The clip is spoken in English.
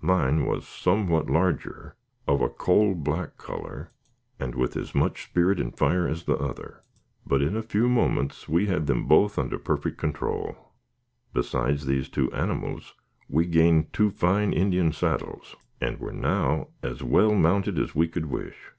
Mine was somewhat larger, of a coal black color, and with as much spirit and fire as the other, but in a few moments we had them both under perfect control. Besides these two animals, we gained two fine Indian saddles, and were now as well mounted as we could wish.